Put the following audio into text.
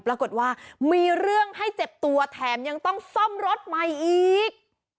ปรากฏว่ามีเรื่องให้เจ็บตัวแถมยังต้องซ่อมรถใหม่อีก